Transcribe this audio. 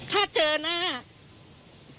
ถ้าเจอหน้า